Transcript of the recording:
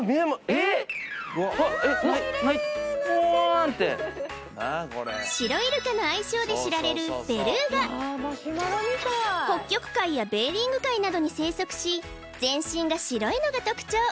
えっポワンってシロイルカの愛称で知られるベルーガ北極海やベーリング海などに生息し全身が白いのが特徴